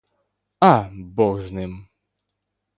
А, бог з ним!